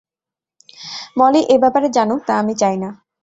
মলি এ ব্যাপারে জানুক, তা আমি চাই না।